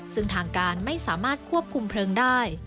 ซึ่งทางการไม่สามารถควบคุมเพลิงได้